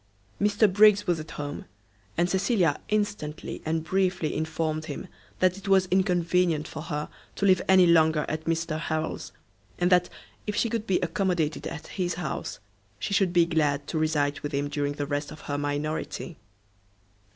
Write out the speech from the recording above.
Mr Briggs was at home, and Cecilia instantly and briefly informed him that it was inconvenient for her to live any longer at Mr Harrel's, and that if she could be accommodated at his house, she should be glad to reside with him during the rest of her minority.